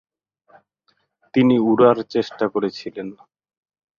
তিনি উড়ার চেষ্টা করেছিলেন।